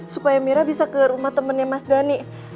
supaya mira bisa ke rumah temennya mas dhani